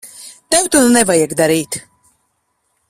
Tev to nevajag darīt.